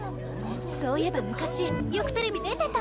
そういえば昔よくテレビ出てた。